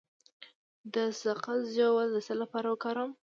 د سقز ژوول د څه لپاره وکاروم؟